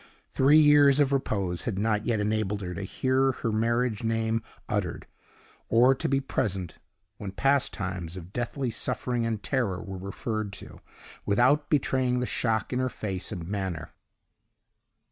Three years of repose had not yet enabled her to hear her marriage name uttered, or to be present when past times of deathly suffering and terror were referred to, without betraying the shock in her face and manner.